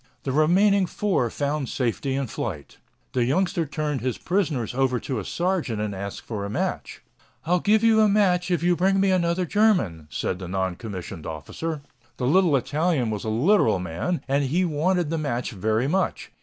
The remaining four found safety in flight. The youngster turned his prisoners over to a sergeant and asked for a match. "I'll give you a match if you'll bring me another German," said the non commissioned officer. The little Italian was a literal man and he wanted the match very much.